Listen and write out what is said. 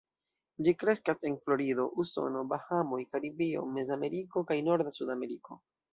Ĝi kreskas en Florido, Usono, Bahamoj, Karibio, Mez-Ameriko kaj norda Sud-Ameriko.